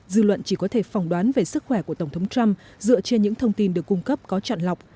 dư luận chỉ có thể phỏng đoán về sức khỏe của tổng thống trump dựa trên những thông tin được cung cấp có chọn lọc